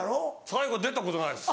大河出たことないです。